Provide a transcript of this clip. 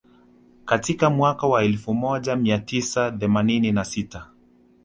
Katika mwaka wa elfu moja mia tisa themanini na sita